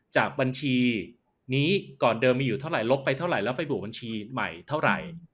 จากบัญชีนี้ก่อนเดิมมีอยู่เท่าไหลบไปเท่าไหร่แล้วไปบวกบัญชีใหม่เท่าไหร่